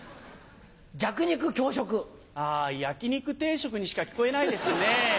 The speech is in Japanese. あ「焼き肉定食」にしか聞こえないですね。